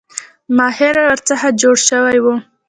ماهر ورڅخه جوړ شوی وو.